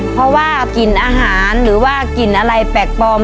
เพราะว่ากลิ่นอาหารหรือว่ากลิ่นอะไรแปลกปลอม